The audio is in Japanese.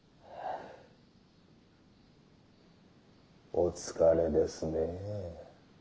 お疲れですねぇ。